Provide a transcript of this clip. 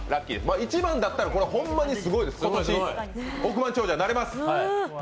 １番だったらこれはほんまにすごい、億万長者になれます。